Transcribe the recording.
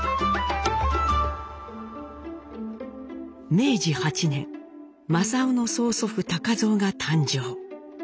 明治８年正雄の曽祖父蔵が誕生。